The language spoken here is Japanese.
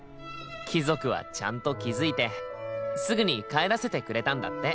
貴族はちゃんと気付いてすぐに帰らせてくれたんだって。